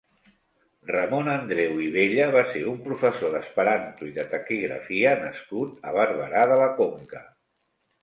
Ramon Andreu i Bella va ser un professor d'Esperanto i de Taquigrafia nascut a Barberà de la Conca.